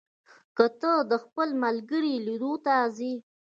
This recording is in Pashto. که ته د خپل ملګري لیدو ته ځې،